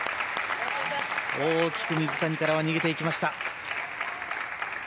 大きく水谷からは逃げていきました。